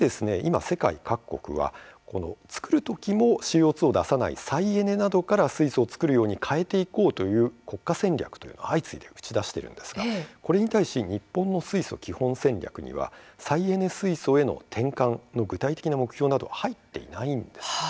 世界各国は作る時もＣＯ２を出さない再エネなどから水素を作るように変えていこうと国家戦略を相次いで打ち出しているんですが日本の水素基本戦略には再エネ水素への転換の具体的なものが入っていないんです。